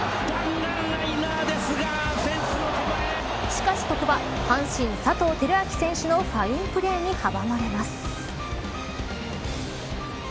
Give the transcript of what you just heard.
しかし、ここは阪神、佐藤輝明選手のファインプレーに阻まれます。